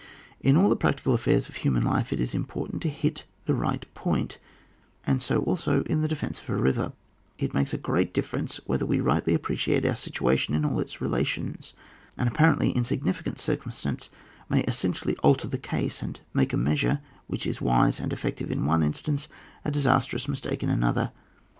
In all the practical affairs of human life it is important to hit the right point ; and so also, in the defence of a river, it makes a great difference whether we rightly appreciate our situation in all its relations; an apparently insignificant circumstance may essentially alter the case, and make a measure which is wise and effective in one instance, a disastrous mistake in another.